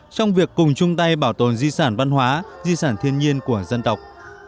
trong việc cùng chung tay bảo tồn di sản văn hóa di sản thiên nhiên của dân tộc